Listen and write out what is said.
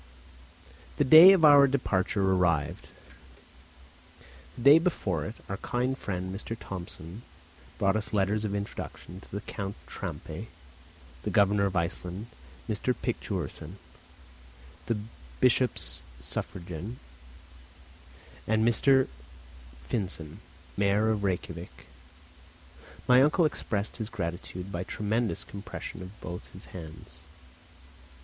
The day for our departure arrived. The day before it our kind friend M. Thomsen brought us letters of introduction to Count Trampe, the Governor of Iceland, M. Picturssen, the bishop's suffragan, and M. Finsen, mayor of Rejkiavik. My uncle expressed his gratitude by tremendous compressions of both his hands.